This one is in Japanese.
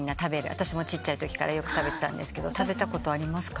私もちっちゃいときからよく食べてたんですけど食べたことありますか？